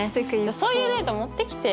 そういうデータ持ってきてよ